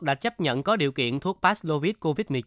đã chấp nhận có điều kiện thuốc past covid một mươi chín